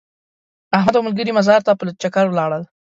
احمد او ملګري مزار ته په چکر ولاړل.